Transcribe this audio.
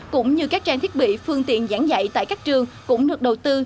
cũng như các trang thiết bị phương tiện giảng dạy tại các trường cũng được đầu tư